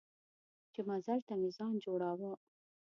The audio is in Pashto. چې مزل ته مې ځان جوړاوه.